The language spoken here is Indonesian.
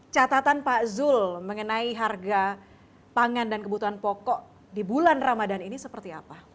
catatan pak zul mengenai harga pangan dan kebutuhan pokok di bulan ramadan ini seperti apa